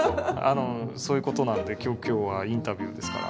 そういうことなので今日はインタビューですから。